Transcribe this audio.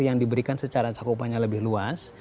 yang diberikan secara cakupannya lebih luas